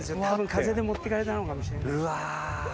風で持ってかれたのかもしんない。